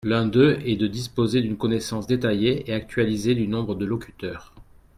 L’un d’eux est de disposer d’une connaissance détaillée et actualisée du nombre de locuteurs.